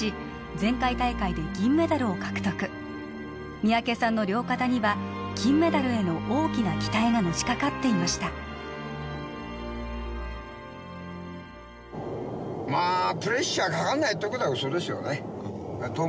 前回大会で銀メダルを獲得三宅さんの両肩には金メダルへの大きな期待がのしかかっていましたまあプレッシャーかかんないってのはウソですよねと思う